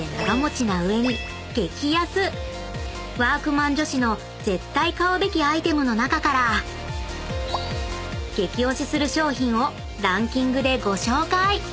［＃ワークマン女子の絶対買うべきアイテムの中から激オシする商品をランキングでご紹介！］